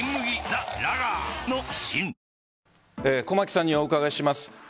駒木さんにお伺いします。